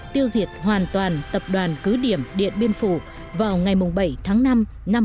tiêu diệt hoàn toàn tập đoàn cứ điểm điện biên phủ vào ngày bảy tháng năm năm một nghìn chín trăm năm mươi bốn